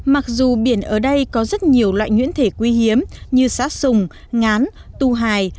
mặc dù biển ở đây có rất nhiều loại nhuyễn thể quý hiếm như sá sùng ngán tu hài